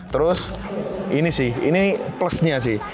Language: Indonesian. terus ini sih ini plusnya sih